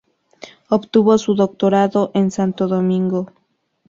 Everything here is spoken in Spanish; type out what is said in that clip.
Obtuvo su Doctorado en Santo Domingo.